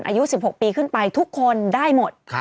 อายุ๑๖ปีขึ้นไปทุกคนได้หมด